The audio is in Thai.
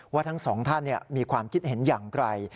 ว่าทั้งสองท่านเนี่ยมีความคิดเห็นอย่างไกล